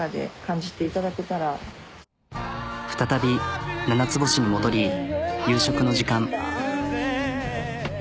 討ななつ星に戻り夕食の時間。